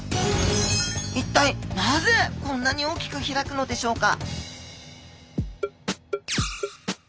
一体なぜこんなに大きく開くのでしょうか？